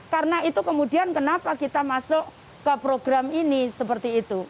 karena itu kemudian kenapa kita masuk ke program ini seperti itu